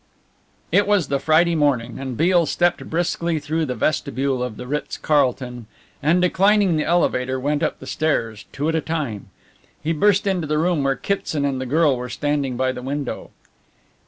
It was the Friday morning, and Beale stepped briskly through the vestibule of the Ritz Carlton, and declining the elevator went up the stairs two at a time. He burst into the room where Kitson and the girl were standing by the window.